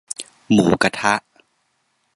หมูกะทะ